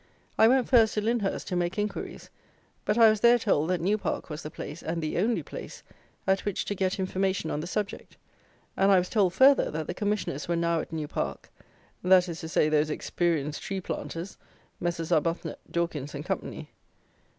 I went first to Lyndhurst to make inquiries; but I was there told that New Park was the place, and the only place, at which to get information on the subject; and I was told, further, that the Commissioners were now at New Park; that is to say those experienced tree planters, Messrs. Arbuthnot, Dawkins, and Company.